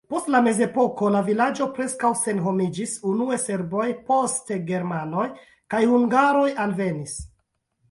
Post la mezepoko la vilaĝo preskaŭ senhomiĝis, unue serboj, poste germanoj kaj hungaroj alvenis.